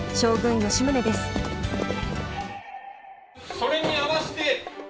それに合わせて。